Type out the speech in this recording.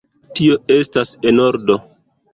Tio estas en ordo.